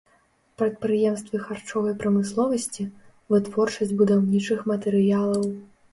Прадпрыемствы харчовай прамысловасці, вытворчасць будаўнічых матэрыялаў.